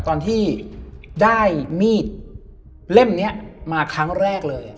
ตอนที่ได้มีดเล่มนี้มาครั้งแรกเลย